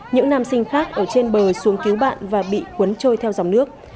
những nam sinh khác ở trên bờ xuống cứu bạn và bị cuốn trôi theo dòng nước